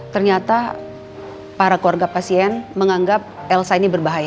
ternyata para keluarga pasien menganggap elsa ini berbahaya